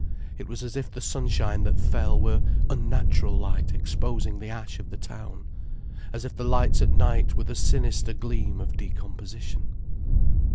It was as if the sunshine that fell were unnatural light exposing the ash of the town, as if the lights at night were the sinister gleam of decomposition.